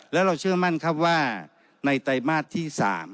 แล้วเราเชื่อมั่นครับว่าในไตรมาสที่๓